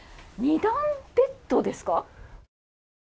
２段ベッドですか。